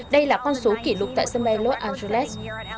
đây là con số kỷ lục tại sân bay los angeles